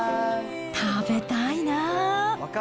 食べたいなぁ。